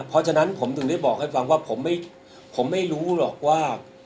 เพราะฉะนั้นผมถึงได้บอกให้ฟังว่าผมไม่รู้หรอกว่า